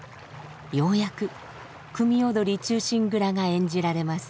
ようやく「組踊忠臣蔵」が演じられます。